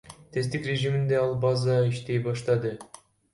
Тесттик режимде ал база иштей баштады.